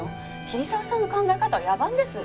桐沢さんの考え方は野蛮です。